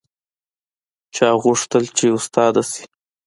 چا غوښتل چې استاده شي